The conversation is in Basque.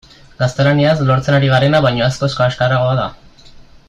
Gaztelaniaz lortzen ari garena baino askoz kaxkarragoa da.